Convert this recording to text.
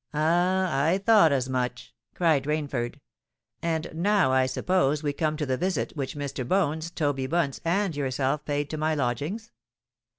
"Ah! I thought as much!" cried Rainford. "And now, I suppose, we come to the visit which Mr. Bones, Toby Bunce, and yourself paid to my lodgings?"